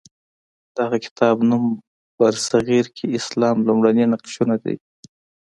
د هغه کتاب نوم برصغیر کې اسلام لومړني نقشونه دی.